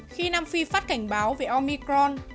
khi nam phi phát cảnh báo về omicron